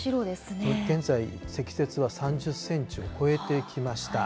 現在、積雪は３０センチを超えてきました。